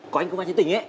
có anh công an trên tỉnh ấy